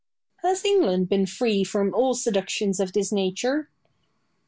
Boileau. Has England been free from all seductions of this nature?